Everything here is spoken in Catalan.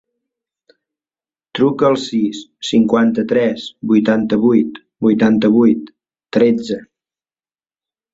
Truca al sis, cinquanta-tres, vuitanta-vuit, vuitanta-vuit, tretze.